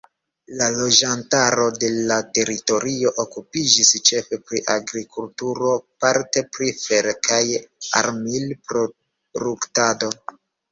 La loĝantaro de la teritorio okupiĝis ĉefe pri agrikulturo; parte pri fer- kaj armil-proruktado.